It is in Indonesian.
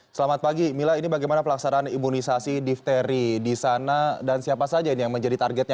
selamat pagi mila ini bagaimana pelaksanaan imunisasi difteri di sana dan siapa saja yang menjadi targetnya